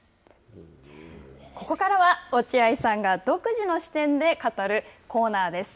ここからは落合さんが独自の視点で語るコーナーです。